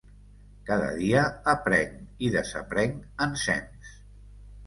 Cada dia aprenc i desaprenc ensems.